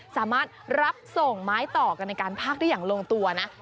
สามารถรับส่งไม้ต่อกันในการพักได้อย่างลงตัวนะ